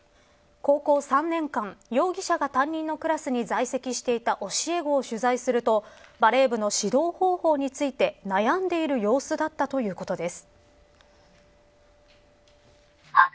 高校３年間、容疑者が担任のクラスに在籍していた教え子を取材するとバレー部の指導方法について悩んでいる様子だったということです。